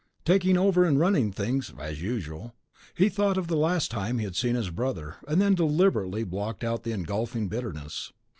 Taking over and running things, as usual. He thought of the last time he had seen his brother, and then deliberately blocked out the engulfing bitterness.